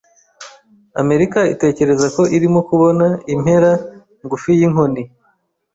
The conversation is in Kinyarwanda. Amerika itekereza ko irimo kubona impera ngufi yinkoni.